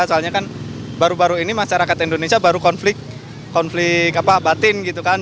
soalnya kan baru baru ini masyarakat indonesia baru konflik batin gitu kan